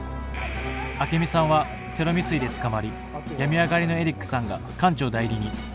アケミさんはテロ未遂で捕まり病み上がりのエリックさんが艦長代理に。